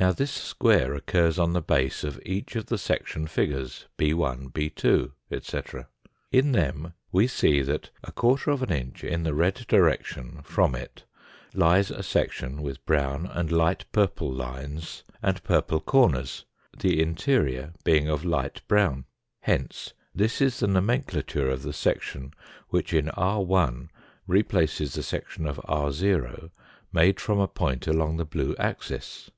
Now this square occurs on the base of each of the section figures, 61, b 2 , etc. In them we see that inch in the red direction from it lies a section with brown and light purple lines and purple corners, the interior being of light brown. Hence this is the nomenclature of the section which in n replaces the section of r made from a point along the blue axis.